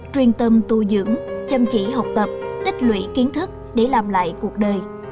truyền tâm tu dưỡng chăm chỉ học tập tích lũy kiến thức để làm lại cuộc đời